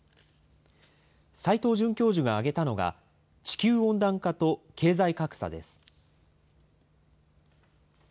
斎藤准教授が挙げたのが、地球温暖化と経済格差です。